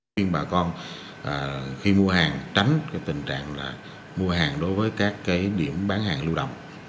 chuyên bà con khi mua hàng tránh tình trạng mua hàng đối với các điểm bán hàng lưu động